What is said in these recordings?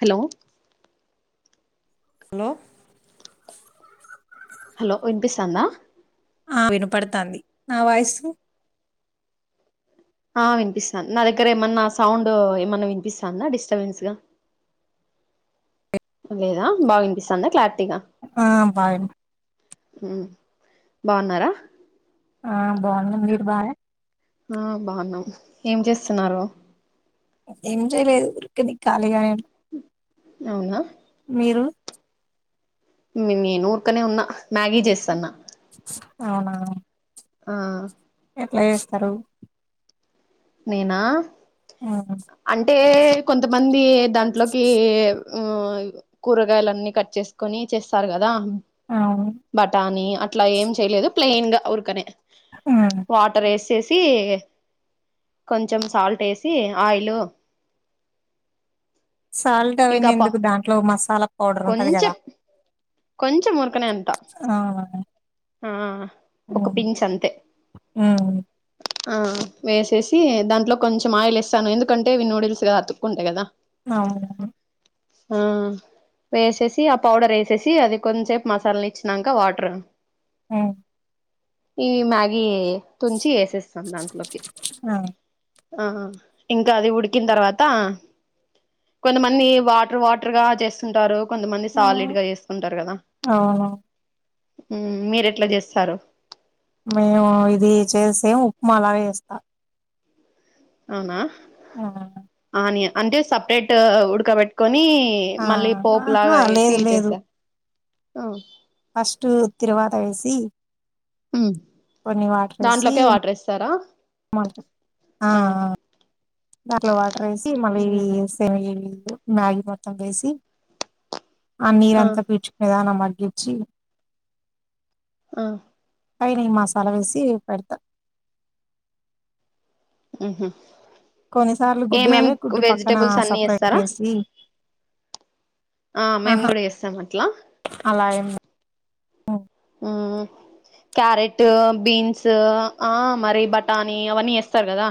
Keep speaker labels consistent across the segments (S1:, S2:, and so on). S1: Hello
S2: hello
S1: hello వినిపిస్తోందా
S2: ఆ వినపడ్తాంది నా వాయసు
S1: ఆ వినిపిస్తోంది నా దగ్గర ఏమన్నా సౌండ్ ఏమన్నా వినిపిస్తాన్న డిస్టర్బెన్స్ గా లేదా బాగా వినిపిస్తుందా క్లారిటీగా
S2: ఆ బాగా వినిపిస్తోంది
S1: ఉ బాగున్నారా
S2: ఆ బాగున్నాం మీరు బాగున్నారా
S1: ఆ బాగున్నాం ఏం చేస్తున్నారు
S2: ఏం చేయలేదు ఊరికనే ఖాళీగానే
S1: అవునా
S2: మీరు
S1: నేను ఊరుకనే ఉన్నా మ్యాగీ చేస్తాన్న
S2: అవునా
S1: ఆ
S2: ఏమిస్తారు చేస్తారు
S1: నీనా
S2: ఉమ్,
S1: అంటే కొంతమంది దాంట్లోకి ఆ కూరగాయలు అన్నీ కట్ చేసుకొని చేస్తారు కదా
S2: అవును
S1: బఠానీ అట్లా ఏం చేయలేదు ప్లెయిన్ గా ఉరకనే
S2: ఉమ్.
S1: వాటర్ ఎసేసి కొంచెం సాల్ట్ ఎసి ఆయిలు
S2: సాల్ట్
S1: ఇంకా
S2: అవన్నీ
S1: ప
S2: ఎందుకు దాంట్లో మసాలా పౌడర్ ఉంటది
S1: కొంచెం
S2: కదా
S1: కొంచెం ఊరకనే అంట
S2: అవునా
S1: ఆ ఒక
S2: ఉమ్,
S1: పించ్ అంతే.
S2: ఉమ్,
S1: ఆ వేసేసి దాంట్లో కొంచెం ఆయిలు వేస్తను, ఎందుకంటే అవి నూడిల్స్గా అతుక్కుంటాయి కదా.
S2: అవును
S1: ఆ వేసేసి ఆ పౌడర్ వేసేసి అది కొన్సేపు మసల్నిచ్చినంక వాటర్.
S2: ఉ
S1: ఈ మ్యాగీ తుంచి వేసేస్తాన్ దాంట్లోకి.
S2: ఆ,
S1: ఆ ఇంకా అది ఉడికిన తర్వాత కొంతమంది వా టర్, వాటర్ గా చేస్తుంటారు. కొంతమంది సాలిడ్ గా చేస్తుంటారు కదా?
S2: అవును
S1: మ్మ్ మీరేట్లా చేస్తారు.
S2: మేము ఇది చేస్తే ఉప్మా లాగ చేస్తా.
S1: అవునా! ఆనియ అంటే సపరేట్ ఉడకబెట్టుకొ. ని
S2: ఆ,
S1: మళ్ళీ పోపు
S2: ఆహా
S1: లాగా వేసి
S2: లేదు లేదు
S1: చేసా. అ
S2: ఫస్ట్ తిరవాత వేసి, కొన్ని వాటర్ ఏసి.
S1: దాంట్లోకే వాటర్ వేస్తారా
S2: [unintelligible] అ ఆ దాంట్లో వాటర్ ఏసి మళ్ళీ సేమి. [unintelligible] మ్యాగీ మొత్తం వేసి, ఆ నీరంతా పీల్చుకునే దాన మ. గ్గిచ్చి
S1: ఆ
S2: పైనే మాసాలా వేసి పెడతా.
S1: ఉహు
S2: కొన్నిసార్లు గుడ్డు
S1: ఏమేం
S2: కాలే
S1: కు
S2: గుడ్డు పక్కన
S1: వెజిటెబుల్స్ అన్ని
S2: సపరేట్
S1: ఎస్సర?
S2: వేసి
S1: ఆ మేము కూడా ఇస్తాం ఏస్సం అట్లా.
S2: అ
S1: ఆ క్యారెట్, బీన్స్ ఆ మరి బటానీ అవన్నీ ఎస్తారు కదా.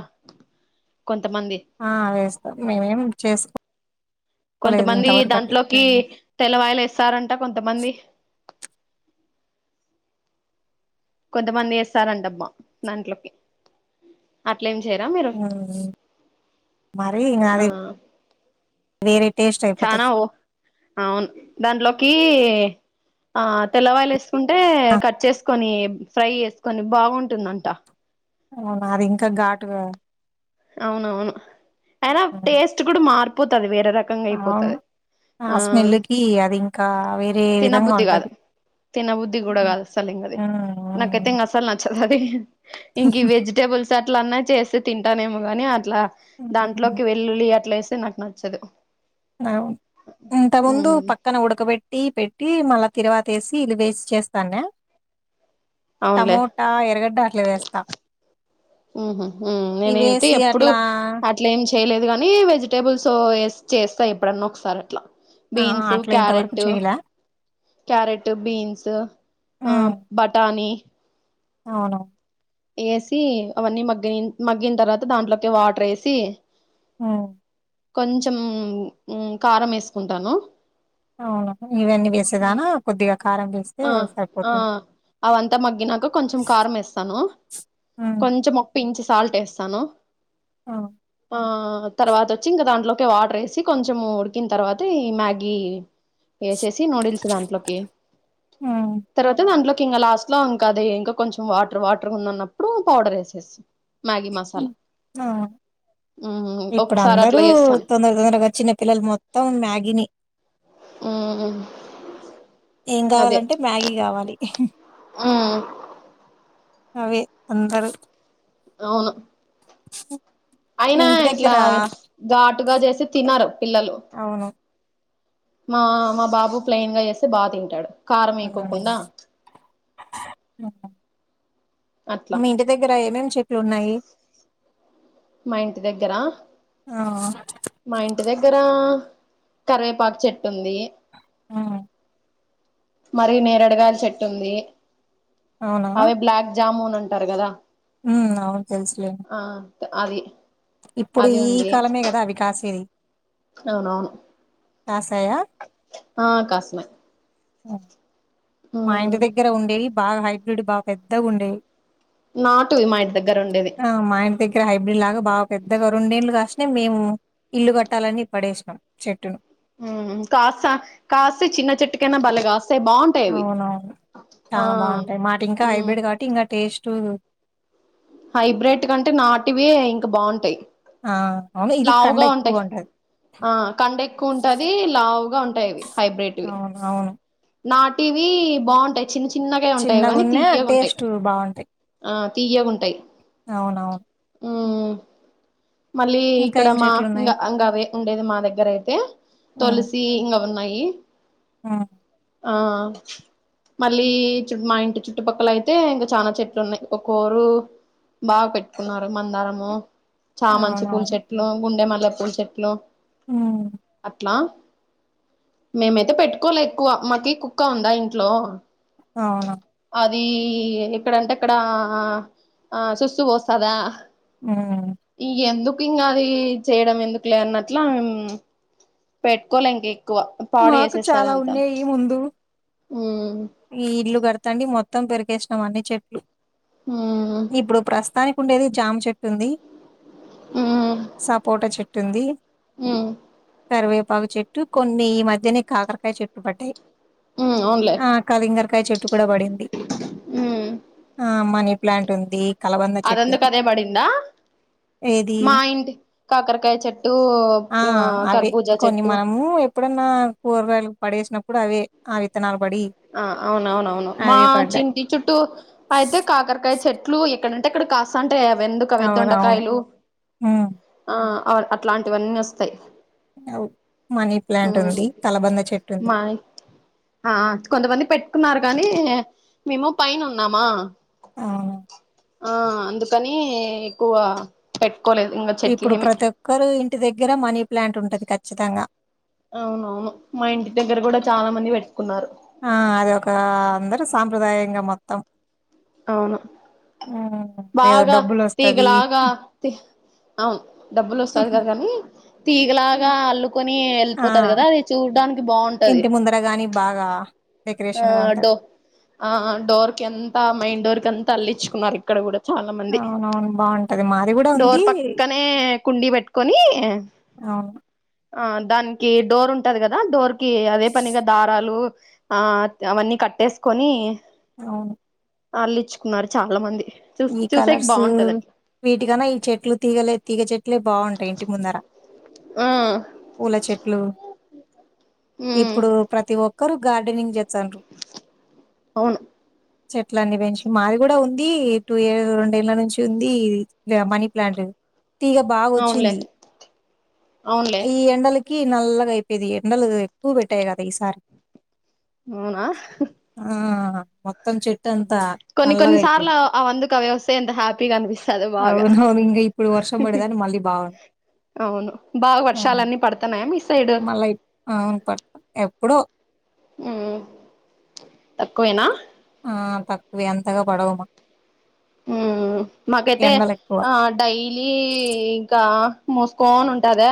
S1: కొంతమంది
S2: ఆ వేస్తాం మేమేం చేస్.
S1: కొంతమంది దాంట్లోకి తెల్లవాయిలు ఎస్సరంట. కొంతమంది కొంతమంది ఎస్సారంటబ్బా దాంట్లోకి ఆ. ట్లే చేయరా మీరు?
S2: అవి [unintelligible] వేరె.
S1: చనా ఓ అవును దాంట్లోకి. ఆ తెల్లవాయలు వేసుకుంటే కట్ చేసుకొని ఫ్రై, చేసుకొని బాగుంటుందంట.
S2: అవునా అదింకా ఘాటుగదా.
S1: అవునవును అయినా టేస్ట్ కూడా మారిపోతది వే. రకంగా
S2: అవును
S1: అయిపోతది ఆ
S2: స్మెల్ కి అది ఇంకా వేరే విధంగా
S1: తినబుద్ధి గాదు.
S2: ఉంటది
S1: తిన బుద్ధి కూడా కాదు అస్సలింగది నాకైతే
S2: ఉమ్
S1: ఇంగ అసల్ న. అది ఇంకి వెజిటేబుల్స్ అట్ల అన్నా చేస్తే తింటానేమో కాని అ. ట్లా
S2: ఉమ్
S1: దాంట్లోకి వెల్లులి అట్లా వేస్తే నాకు నచ్చదు.
S2: అవును ఇంత ముందు
S1: ఉమ్
S2: పక్కన ఉడకబె. టీ పెట్టి మళ్ళా తిరువాత వేసి ఇల్లు వేస్ చేస్తానే
S1: అవునులే
S2: టమోటా ఎరగడ్డ అట్ల వేస్తా
S1: ఉహు మ్ నేనయితే
S2: ఇవేసి
S1: ఎప్పుడు
S2: అట్లా
S1: అట్ల ఏం. చేయలేదు గానీ వెజిటేబుల్స్ ఎస్ చేస్తా, ఎప్పుడన్నా ఒకసారి అట్లా.
S2: ఆ!
S1: బీన్సు,
S2: అట్లా ఇంతవరకు
S1: క్యారెట్టు
S2: చేయలా.
S1: క్యారెట్, బీన్స్ ఆ
S2: హ్మ్.
S1: బటానీ.
S2: అవును
S1: వేసి అవన్నీ మగ్గి మగ్గిన తర్వాత దాంట్లోకి వాటర్ ఎసి
S2: హ
S1: కొంచెం కారం వేసుకుంటాను.
S2: అవున ఇవన్నీ వేసేదానా కొద్దిగా కారం వేస్తే
S1: ఆ ఆ
S2: సరిపోతుంది.
S1: అవంతా మగ్గినాక కొంచెం కారం వేస్తాను.
S2: హ్మ్.
S1: కొంచెం ఒక ఇంచు సాల్ట్ వేస్తాను.
S2: అ
S1: ఆ తర్వాత వచ్చి ఇంక దాంట్లోకి వాటర్ వేసి కొంచెం ఉడికిన తర్వాత ఈ మ్యాగీ వేసేసి నూడిల్స్ దాంట్లోకి
S2: హ్మ్.
S1: తర్వాత దాంట్లోకి ఇంకా లాస్ట్ లో ఇంకా అది ఇంకా కొంచెం వాటర్ వాటర్ ఉందన్నప్పుడు పౌడర్ వేసేసి మ్యాగి మసాలా ఉమ్
S2: ఇప్పుడు
S1: ఒకసారి
S2: అందరూ
S1: అట్లా చేస్తాను
S2: తొందర తొందరగా చిన్న పిల్లలు మొత్తం మ్యాగీని
S1: ఉమ్
S2: ఏం కావాలంటే మ్యాగీ కావాలి.
S1: ఆ
S2: అవే అందరూ
S1: అవును
S2: హ
S1: అయినా ఇట్లా ఘాటుగా చేస్తే తినరు పిల్లలు
S2: అవును.
S1: మా మా బాబు ప్లెయిన్ గా వేస్తే బాగా తింటాడు కారం
S2: హ్మ్.
S1: ఎకోకుండా అట్లా
S2: మీ ఇంటి దగ్గర ఏమేమి చెట్లు ఉన్నాయి.
S1: మా ఇంటి దగ్గరా
S2: ఆ!
S1: మా ఇంటి దగ్గర ఆ కరవేపాకు చెట్టు ఉంది.
S2: ఆ
S1: మరి నేరడగాయలి చెట్టు ఉంది అవి బ్లాక్ జాముూన్ అంటారు కదా
S2: ఉమ్ అవును తెలుసులే
S1: అవి
S2: ఇప్పుడు ఈ కాలమే కదా అవి కాసేది.
S1: అవును అవును
S2: కాసాయా?
S1: ఆ కాస్తున్నాయి.
S2: మా ఇంటి దగ్గర ఉండేవి బాగా హైబ్రిడ్ బాగా పెద్దగా ఉండేవి.
S1: నాటు వి మా ఇంటి దగ్గర ఉండేది.
S2: ఇక్కడ హైబ్రిడ్ లాగా బాగా పెద్దగా రెండేళ్ళలు కాసినాయి. మేము ఇల్లు కట్టాలని పడేసినాం చెట్టును
S1: ఉమ్ కాస కాస్తే చిన్న చిట్కనా బలేగాస్త
S2: అవునవును చాలా బాగుంటాయి మాటి ఇంకా
S1: ఉమ్
S2: హైబ్రిడ్ కాబట్టి ఇంకా టేస్ట్ టు
S1: హైబ్రెడ్ కంటే నాటివే ఇంకా బాగుంటాయి.
S2: ఆ అవును ఇది కండ
S1: లావుగా ఉంటాయి
S2: ఎక్కువగా ఉంటది.
S1: ఆ కండ ఎక్కువ ఉంటది లావుగా ఉంటాయి అవి
S2: అవును అవును
S1: నాటు వి బాగుంటాయి. చిన్న చిన్నగా ఉంటాయి కానీ
S2: చిన్నగున్నా
S1: తీయగాంటాయి
S2: టేస్టు బావుంటాయి.
S1: ఆ తీయగుంటై
S2: అవునవును
S1: మళ్ళీ
S2: ఇంకా
S1: ఇక్కడ
S2: ఏం
S1: మా
S2: చెట్లున్నాయి?
S1: ఇంగా అవే ఉండేది మా దగ్గర అయితే, తులసి ఇంగా ఉన్నయి. ఇయి
S2: ఆ
S1: ఆ మళ్ళీ చు మా ఇంటి చుట్టుపక్కల అయితే ఇంగా చానా చెట్లు ఉన్నాయి. ఒకోరు బాగా పెట్టుకున్నారు మందారము చామంచి పూల
S2: అవునవును
S1: చెట్లు, గుండె మల్లె పూల చెట్లు
S2: హ్మ్
S1: అట్లా. మేమైతే పెట్టుకోలే ఎక్కువ మాకి కుక్క ఉందా ఇంట్లో.
S2: అవునా.
S1: అది ఎక్కడంటే అక్కడా ఆ సుస్సు పోస్తాదా.
S2: హ్
S1: ఇంగా అది చేయడం ఎందుకులే అన్నట్లా మేం పెట్టుకోలే ఇంకే ఎక్కువా పాడు
S2: మాకు
S1: చేసేస్తాది
S2: చాలా
S1: అది అంతా అని.
S2: ఉండేయి ముందు
S1: హ్
S2: ఈ ఇల్లు కడతాంటే మొత్తం పెరికేసినాం అన్ని చెట్లు.
S1: ఉమ్
S2: ఇప్పుడు ప్రస్తుతాని కి ఉండేది జామ చెట్టు ఉంది, సపోటా చెట్టు ఉంది.
S1: హ్మ్
S2: కరివేపాకు చెట్టు కొన్నీ ఈ మధ్యనే కాకరకాయ చెట్లు పడ్డయి.
S1: ఉ అవునులే.
S2: కలింగరకాయ చెట్టు కూడా పడింది.
S1: ఉమ్
S2: ఆ మనీ ప్లాంట్ ఉంది. కలబంద
S1: అదందుకు
S2: చెట్టుంది.
S1: అదే పడిందా
S2: ఏది
S1: మా ఇంటి కాకరకాయ చెట్టు
S2: ఆ అవే
S1: కర్బూజా
S2: కొన్ని
S1: చెట్టు
S2: మనము ఎప్పుడన్నా కూరగాయలు పడేసినప్పుడు అవే ఆ విత్తనాలు పడి
S1: ఆ అవునవునవును. మా
S2: అవే పడ్డాయి
S1: చింటి చుట్టూ అయితే కాకరకాయ చెట్లు ఎక్కడ అంటే అక్కడ కాస్తాంటయి అవెందుకు అవి
S2: అవునవును
S1: దొండకాయలు
S2: హ్మ్
S1: ఆ అవును అట్లాంటివన్నీ వస్తయి.
S2: ఓ మనీ ప్లాంట్ ఉంది, కలబంద చెట్టు ఉంది.
S1: మా ఆ కొంతమంది పెట్టుకున్నారు గాని మేము పైన ఉన్నామా
S2: ఆహా
S1: ఆ అందుకని ఎక్కువా పెట్
S2: ఇప్పుడు ప్రతి ఒక్కరు ఇంటి దగ్గర మనీ ప్లాంట్ ఉంటది ఖచ్చితంగా.
S1: అవునవును మా ఇంటి దగ్గర కూడా చాలా మంది పెడు
S2: ఆ అది ఒక అందరు సాంప్రదాయంగా మొత్తం.
S1: అవును
S2: హ్మ్. ఏదో
S1: బాగా
S2: డబ్బులొస్తది.
S1: తీగలాగా తి అవును డబ్బులు వస్తది కదా కానీ తీగలాగా అల్లుకొని
S2: ఆ!
S1: ఎళ్ళిపోతది కదా అది చూడ్డానికి బాగుంటది
S2: ఇంటి ముందర గాని బాగా
S1: ఆ
S2: డెకరేషన్గా
S1: డో
S2: ఉంటది.
S1: ఆ డోర్కి అంతా మెయిన్డోర్కి అంతా అల్లిచ్చుకున్నారు ఇక్కడ కూడా. చాలా మంది.
S2: అవునవును. బావుంటది. మాది గూడా ఉంది.
S1: డోర్ పక్కనే కుండీ పెట్టుకొని
S2: అవును
S1: ఆ దానికి డోర్ ఉంటది కదా డోర్కి అదే పనిగా దారాలు ఆ అవన్నీ కట్టేసుకొని
S2: అవును
S1: అల్లిచ్చుకున్నారు చాలా మంది. చూ
S2: ఈ
S1: చూసేకి
S2: కలర్స్
S1: బాగుంటది అట్లా
S2: వీటికన్నా ఈ చెట్లు తీగలే తీగచెట్లే బావుంటయి ఇంటి ముందర.
S1: ఆ
S2: పూలచెట్లు
S1: ఉమ్
S2: ఇప్పుడు ప్రతి ఒక్కరు గార్డెనింగ్ జేసాన్ ర్రు
S1: అవును
S2: చెట్ లన్నీ పెంచ్ మాది కూడా ఉంది టూ ఇయర్ రెండేళ్ల నుంచి ఉంది మనీ ప్లాంటు తీగ
S1: అవునులే
S2: బావోచ్చింది
S1: అవునులే
S2: ఈ ఎండల్ కి నల్లగయిపెది ఎండలు ఎక్కు పెట్టాయి కదా ఈసార్
S1: ఔనా ఆహ్
S2: ఆ మొత్తం చెట్టు అంతా
S1: కొన్ని కొన్ని
S2: నల్లగయిపెంద్
S1: సార్లు అవందుకు అవి వస్తే ఎంత హ్యాపీగా అనిపిస్తది బాగా
S2: ఔను వింగ ఇప్పుడు వర్షం బడదని మళ్ళీ బాఉ
S1: అవును బాగా వర్షాలన్నీ పడుతున్నాయా మీ సైడ్
S2: ఉమ్ మల్లాయ్ ఔన్ పడు ఏవ్ పుడు
S1: ఉమ్ తక్కువేనా
S2: ఆ తక్కువే అంతగా పడవ్ మా
S1: ఉహుమ్ మాకేతే
S2: ఎండలు ఎక్కువ
S1: ఆ డైలీ ఈ ఇంకా ఆ మోస్ కోన్ ఉంటదా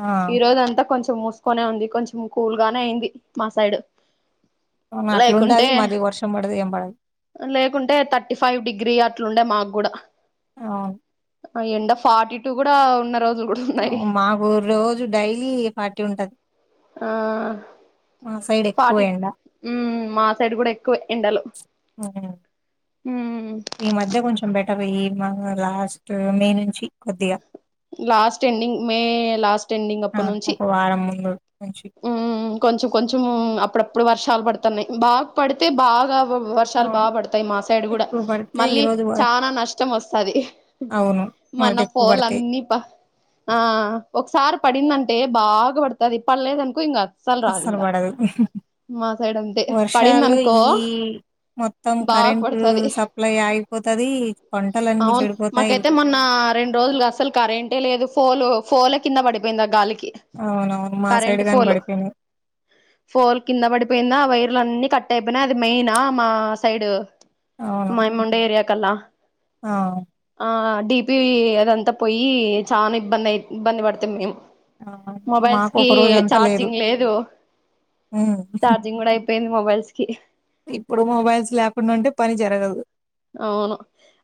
S2: ఆ
S1: ఈరోజ్ అంతక్ కొంచెం మూస్ కొనే ఉంది కొంచెం కూల్గానే అయింది మా సైడు
S2: ఓమ అట్లుంటది మళ్ళీ వర్షం బడదేమో
S1: లేకుంటే థర్టీ ఫైవ్ డిగ్రీ అట్లుండే మాగ్ గుడా
S2: ఔన్
S1: ఆ ఎండ ఫార్టీ టూ కూడా ఉన్న రోజు
S2: మాకు రోజు డైలీ ఫార్టీ ఉంటద్
S1: ఆ
S2: సైడ్ ఎక్కువ
S1: ఫార్టీ
S2: ఎండ
S1: ఉమ్మ్ మా సైడ్ కూడా ఎక్కువే ఎండలు
S2: ఉహుమ్ ఈ మధ్య కొంచెం బెట్ తబీ ఇమా అ లాస్టు మే నుంచి కొద్దిగా
S1: లాస్ట్ ఎండింగ్ మే లాస్ట్
S2: ఆ ఒక వారం ముందు నుంచి
S1: ఉమ్మ్ మ్ కొంచెం కొంచము ఉమ్మ్ మ్ అప్పుడప్పుడు వర్షాలు పడతన్నయ్ బాగ్ పడితే బాగా వొవ్ వర్షాలు బా
S2: అవును
S1: పడతాయ్ మా సైడ్ కూడా
S2: ఎక్కువ పడితే ఈ
S1: మళ్ళీ
S2: రోజు
S1: చానా నష్టం ఓస్తది
S2: అవును
S1: మన
S2: మరట ఎక్కువ పడతాయి
S1: పోలన్నీ ప ఆ ఆ ఒక్ సార్ పడిందంట్ టే బాగా పడతది పళ్లేదనుకో ఇంగ అస్సల్ రాద్
S2: అస్సలు
S1: ఇంగ
S2: పడదు
S1: మా సైడ్ అంతే పడింద్
S2: వర్షాలు
S1: అనుకో
S2: ఈ మొత్తం కరెంటు సప్లై ఆయిపోతది పంటలన్ని చెడిపోతయ్
S1: ఆ రొండు రోజుల్ గస్సల్ కరెంటే లేదు ఫోలో ఫోల కింద పడిపెయింది ఆ గాలీక్
S2: ఔనౌవును
S1: కరెంట్ ఫోలు ఫోల్ కింద పడిపెయిందా వైర్ లన్ని కట్ అయిపెయ్ అది మెయ్ నా మా సైడ్
S2: అవును
S1: మైమ్ ముండే ఏరియా కల్లా
S2: ఆ
S1: ఆ డిపివీ అదంతా పోయి చాన్ ఇబ్బందయ్ ఇబ్బంది పడితిమ్ మేమ్
S2: ఆహ మాక్ ఒక్
S1: ఈ చార్జింగ్ లేదు
S2: ఉమ్
S1: చార్జింగ్ కూడా అయ్ పెంద్ మొబైల్స్ కి
S2: ఇప్పుడు మొబైల్స్ ల్యాకుండుంటే పని జరగదు
S1: ఔను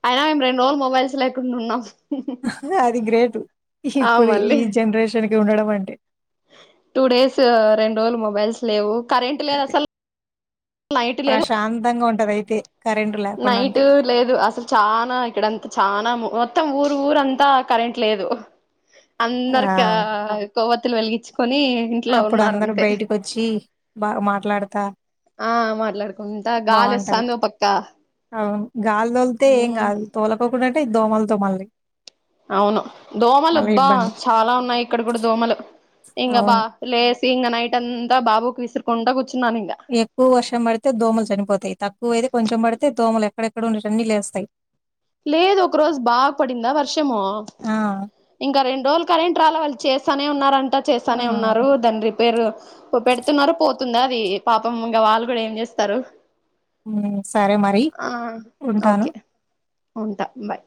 S1: అయినా మేమ్ రొండు రోజుల్ మొబైల్స్ లేకుండ్ ఉన్నాం
S2: ఆహ్ అది గ్రేటు
S1: ఆ
S2: ఇప్పుడు ఈ
S1: మళ్ళీ
S2: జన్ రేషన్ కి ఉండడంవంటే
S1: టూ డేసు రొండ్ రోజ్ ల్ మొబైల్స్ లేవు కరెంట్ లేద్ అస్సల్ లైటు లేదు
S2: ప్రశాంతంగా ఉంటదయితే కరెంటు లేకుండా
S1: నైటు
S2: ఉంటే
S1: లేదు అస్సల్ చానా ఇక్కడంత్ చానా మో వొత్ మొత్తం ఊరు ఊరంతా కరెంట్ లేదు
S2: ఆ
S1: అందరిక కొవ్వత్తులు వెలిగిచ్చు కొని ఇంట్లో ఉన్నారంతే
S2: బాగ మాట్లాడతా
S1: ఆ మాట్లాడుకుంటా
S2: బావుంటది
S1: గాలొస్తాంది ఓ పక్క
S2: అవును గాలి దోలితే ఏం
S1: ఉమ్
S2: గాదు తోలకోకున్నట్టే ఈ దోమలతో మళ్ళీ
S1: అవును
S2: మళ్ళీ
S1: దోమలుబ్బా
S2: ఇబ్బంది
S1: చాలా ఉన్నాయి ఇక్కడ కూడా దోమలు ఇంగ బా
S2: అవును
S1: లేసీ ఇంగ నైటంత బాబుకి విసర్కుంట గూ
S2: ఎక్కువ వర్షం బడితే దోమలు చనిపోతాయ్ తక్కువ అయితే కొంచెం బడితే దోమలు ఎ ఎక్కడెక్కడ ఉండేటివన్ని లేస్తాయ్
S1: లేదు ఒక రోజు బాగ పడిందా వర్షము
S2: ఆ
S1: ఇంక రెండ్రోజులు కరెంట్ రాలేవాల్ చేస్తనే ఉన్నారంట
S2: ఆ
S1: చేస్తానే ఉన్నారు దాని రిపేరు పెడుతున్నారు పో తుందా అది పాపం ఇంగ వాళ్ళు గూడా ఏం చేస్తారు
S2: ఉ సరే మరి
S1: ఆ
S2: ఉంటాను
S1: ఓకే ఉంటా బాయ్